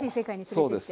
そうです。